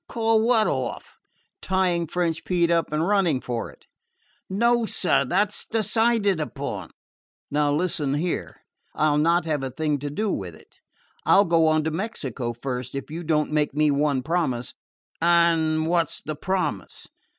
"Call what off?" "Tying French Pete up and running for it." "No, sir. That 's decided upon." "Now listen here: I 'll not have a thing to do with it. I 'll go on to Mexico first, if you don't make me one promise." "And what 's the promise?"